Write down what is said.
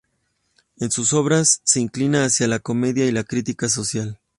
En sus obras se inclina hacia la comedia y la crítica social.